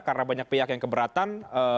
karena banyak pihak yang keberatan